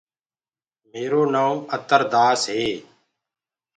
ميرو نآئونٚ اتر داس هي.